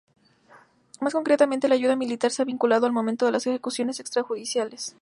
Más concretamente, la ayuda militar se ha vinculado al aumento de las ejecuciones extrajudiciales.